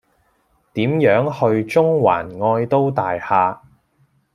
點樣去中環愛都大廈